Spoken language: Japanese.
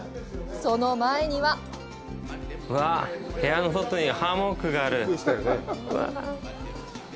その前には部屋の外にハンモックがある。